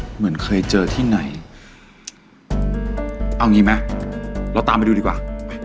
เหมือนเคยเจอที่ไหนเอางี้ไหมเราตามไปดูดีกว่า